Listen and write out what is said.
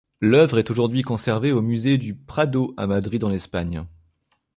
L'œuvre est aujourd'hui conservée au musée du Prado à Madrid, en Espagne.